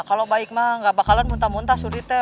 kalo baik mah gak bakalan muntah muntah suri teh